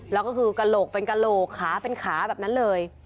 แล้วก็คือกระโหลกเป็นกระโหลกขาเป็นขาแบบนั้นเลย